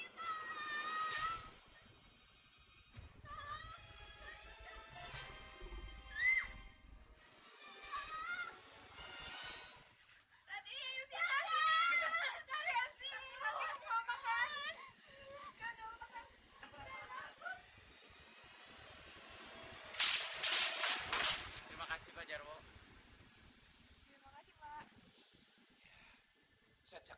setiap ada pada kanan